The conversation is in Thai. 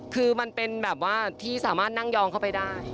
คือมันเป็นแบบว่าที่สามารถนั่งยองเข้าไปได้